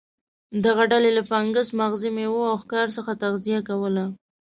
دغه ډلې له فنګس، مغزي میوو او ښکار څخه تغذیه کوله.